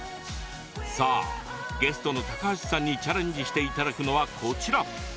さあ、ゲストの高橋さんにチャレンジしていただくのはこちら！